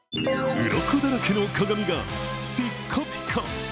うろこだらけの鏡がピッカピカ。